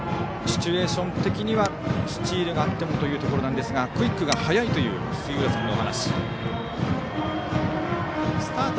シチュエーション的にはスチールがあってもというところですがクイックが速いという杉浦さんのお話でした。